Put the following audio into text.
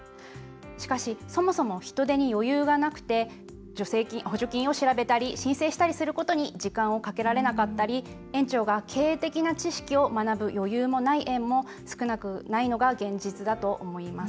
しかし、そもそも人手に余裕がなくて補助金を調べたり申請したりすることに時間をかけられなかったり園長が経営的な知識を学ぶ余裕もない園も少なくないのが現実だと思います。